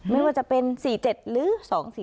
ไม่ว่าจะเป็น๔๗หรือ๒๔๔